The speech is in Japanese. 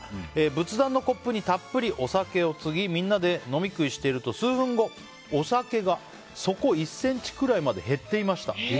仏壇のコップにたっぷりお酒を注ぎみんなで飲み食いしていると数分後、お酒が底１ｃｍくらいまで減っていました。